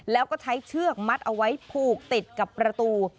แล้วก็ใช้เชือกมัดเอาไว้ผูกติดกับประตู